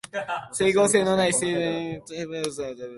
整合性のない説明に怒声が飛ぶ